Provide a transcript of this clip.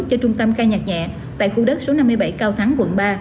cho trung tâm ca nhạc nhẹ tại khu đất số năm mươi bảy cao thắng quận ba